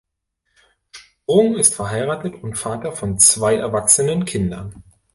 Sprung ist verheiratet und Vater von zwei erwachsenen Kindern.